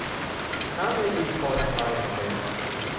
น้ำในลินคอล์นไชร์หมดแล้ว